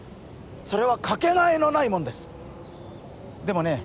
それはかけがえのないものですでもね